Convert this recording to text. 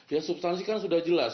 ya substansi kan sudah jelas